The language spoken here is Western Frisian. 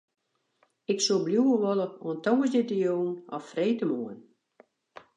Ik soe bliuwe wolle oant tongersdeitejûn of freedtemoarn.